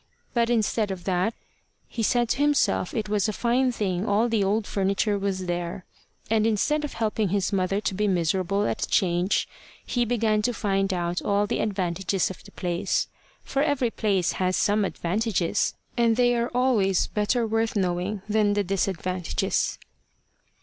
But instead of that, he said to himself it was a fine thing all the old furniture was there. And instead of helping his mother to be miserable at the change, he began to find out all the advantages of the place; for every place has some advantages, and they are always better worth knowing than the disadvantages.